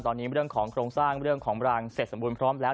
ตอนนี้เรื่องของโครงสร้างเรื่องของรังเสร็จสมบูรณพร้อมแล้ว